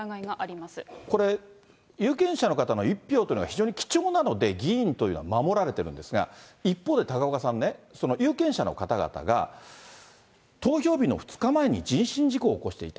これ、有権者の方の一票っていうのは非常に貴重なので、議員というのは守られているんですが、一方で高岡さんね、その有権者の方々が、投票日の２日前に人身事故を起こしていた。